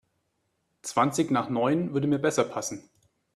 Zwanzig nach neun würde mir besser passen.